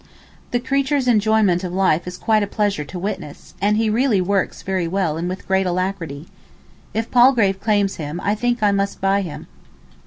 The creature's enjoyment of life is quite a pleasure to witness, and he really works very well and with great alacrity. If Palgrave claims him I think I must buy him.